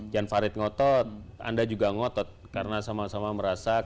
jan farid ngotot anda juga ngotot karena sama sama merasa